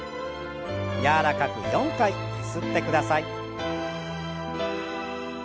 柔らかく４回ゆすってください。